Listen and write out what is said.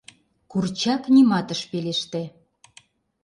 Курчак нимат ыш пелеште.